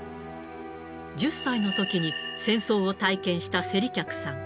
１０歳のときに、戦争を体験した勢理客さん。